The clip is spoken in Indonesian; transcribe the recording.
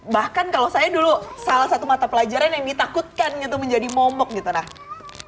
bahkan kalau saya dulu salah satu mata pelajaran yang ditakutkan gitu menjadi momok gitu